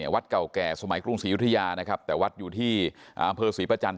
วัดเก่าแก่สมัยกรุงศรียุธยานะครับแต่วัดอยู่ที่อำเภอศรีประจันท